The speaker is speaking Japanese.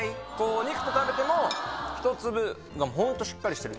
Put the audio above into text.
お肉と食べてもひと粒がホントしっかりしてる。